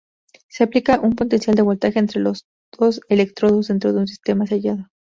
Se aplica un potencial de voltaje entre dos electrodos dentro de un sistema sellado.